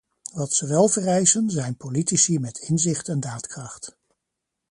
Wat ze wel vereisen, zijn politici met inzicht en daadkracht.